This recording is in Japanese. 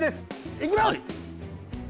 いきます！